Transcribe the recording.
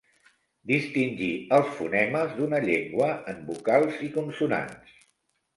Distingir els fonemes d'una llengua en vocals i consonants.